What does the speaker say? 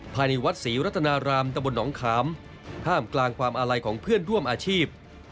ภายในวัดศรีรัตนารามตะบนหนองขามท่ามกลางความอาลัยของเพื่อนร่วมอาชีพ